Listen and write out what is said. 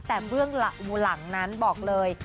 แต่เบื้องหลังนั้นบอกเลย